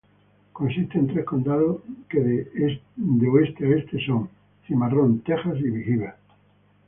Consiste en tres condados, que de oeste a este son: Cimarrón, Texas y Beaver.